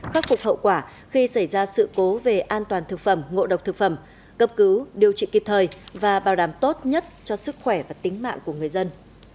khắc phục hậu quả khi xảy ra sự cố về an toàn thực phẩm ngộ độc thực phẩm cấp cứu điều trị kịp thời và bảo đảm tốt nhất cho sức khỏe và tính mạng của người dân